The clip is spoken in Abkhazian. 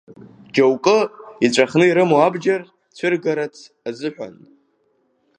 Џьоукы иҵәахны ирымоу абџьар цәырыргарц азыҳәан?